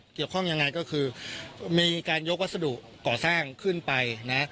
แรกเกี่ยวข้องยังไงก็คือมีการยกวัสดุก่อสร้างขึ้นไปนะ